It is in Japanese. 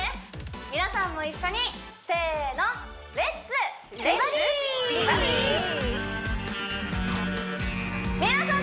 皆さんも一緒にせーの皆さん